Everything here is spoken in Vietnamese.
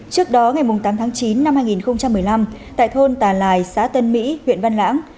trước đó ngày tám tháng chín năm hai nghìn một mươi năm tại thôn tà lài xã tân mỹ huyện văn lãng